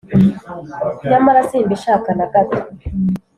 Nyamara simbishaka nagato